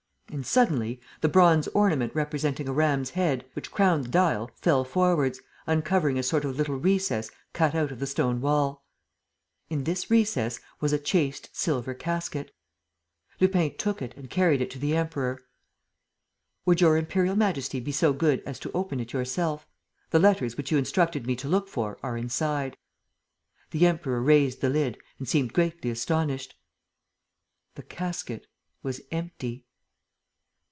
And suddenly, the bronze ornament representing a ram's head, which crowned the dial, fell forwards, uncovering a sort of little recess cut out of the stone wall. In this recess was a chased silver casket. Lupin took it and carried it to the Emperor: "Would Your Imperial Majesty be so good as to open it yourself? The letters which you instructed me to look for are inside." The Emperor raised the lid and seemed greatly astonished. _The casket was empty.